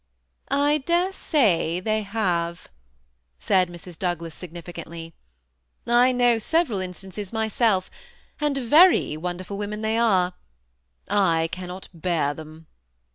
^ I dare say they have," said Mrs. Douglas, signifi cantly. '^I know several instances myself, and very wonderful women they are. I cannot bear them."